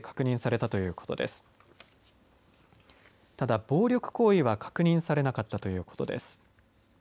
ただ暴力行為は確認されなかったということです。